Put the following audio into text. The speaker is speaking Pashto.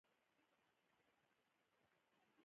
په دې وحشیانه پېښه کې زرګونه بزګران ووژل شول.